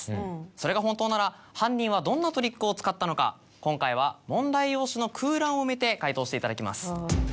それが本当なら犯人はどんなトリックを使ったのか今回は問題用紙の空欄を埋めて解答していただきます。